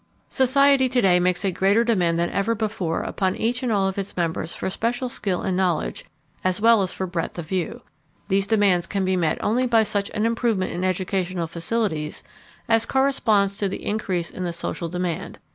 Society to day makes a greater demand than ever before upon each and all of its members for special skill and knowledge, as well as for breadth of view. These demands can be met only by such an improvement in educational facilities as corresponds to the increase in the social demand.